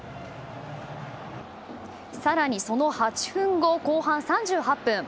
更に、その８分後後半３８分。